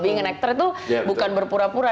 being an actor itu bukan berpura pura